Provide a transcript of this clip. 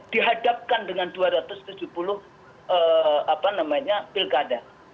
dihadapkan dengan dua ratus tujuh puluh apa namanya pilkada